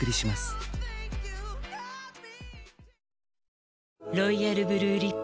「ニベアロイヤルブルーリップ」